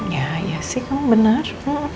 ya iya sih kamu benar